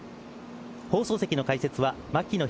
放送席の解説は牧野裕